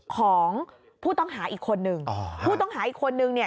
ของผู้ต้องหาอีกคนนึง